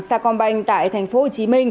sa còn bành tại tp hcm